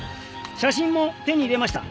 写真も手に入れました。